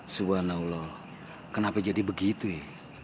subhanallah kenapa jadi begitu ya